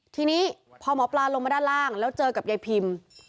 ทีนี้พอหมอปลาลงมาด้านล่างแล้วเจอกับยายพิม